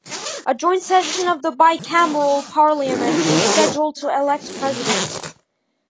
A joint session of the bicameral parliament is scheduled to elect president.